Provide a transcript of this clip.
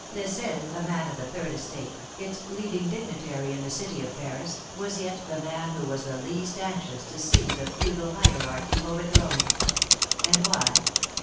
Flesselles, a man of the third estate, its leading dignitary in the city of Paris, was yet the man who was the least anxious to see the feudal hierarchy overthrown. And why?